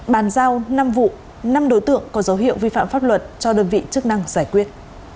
bàn giao năm vụ năm đối tượng có dấu hiệu vi phạm pháp luật cho đơn vị chức năng giải quyết